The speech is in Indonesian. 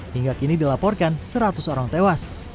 hingga kini dilaporkan seratus orang tewas